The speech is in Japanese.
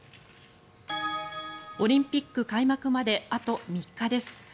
オリンピック開幕まであと３日です。